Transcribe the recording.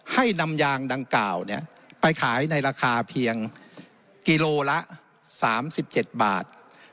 ให้นำยางดังกล่าวไปขายในราคาเพียงกิโลละ๓๗บาท